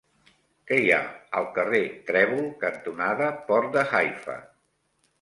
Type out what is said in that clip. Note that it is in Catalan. Què hi ha al carrer Trèvol cantonada Port de Haifa?